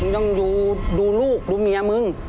ยังอยู่ดูลูกดูเมียมึง